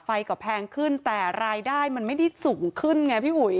ไฟก็แพงขึ้นแต่รายได้มันไม่ได้สูงขึ้นไงพี่อุ๋ย